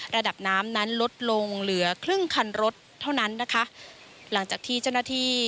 ระดับน้ำนั้นลดลงเหลือครึ่งคันรถเท่านั้นนะคะหลังจากที่เจ้าหน้าที่